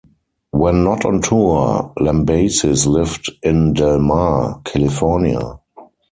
When not on tour, Lambesis lived in Del Mar, California.